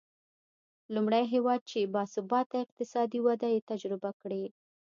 لومړی هېواد چې با ثباته اقتصادي وده یې تجربه کړې.